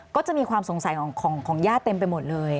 ก็จะมีความสงสัยของญาติเต็มไปหมดเลย